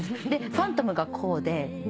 ファントムがこうで。